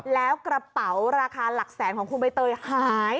แล้วกระเป๋าราคาหลักแสนของคุณใบเตยหาย